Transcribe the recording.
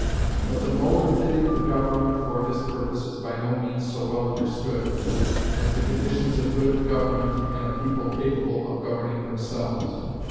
But the mode of fitting the government for this purpose is by no means so well understood as the conditions of good government in a people capable of governing themselves.